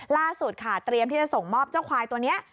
ล่าสุดค่ะเตรียมที่จะส่งมอบเจ้าควายตัวนี้